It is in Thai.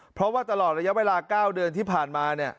เพราะว่าตลอดระยะเวลา๙เดือนที่ผ่านมาเนี่ย